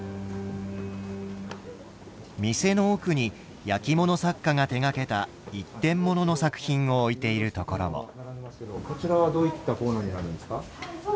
店の奥に焼き物作家が手がけた一点ものの作品を置いているところも。